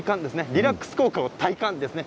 リラックス効果を体感ですね。